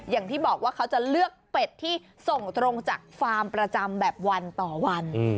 อย่างที่บอกว่าเขาจะเลือกเป็ดที่ส่งตรงจากฟาร์มประจำแบบวันต่อวัน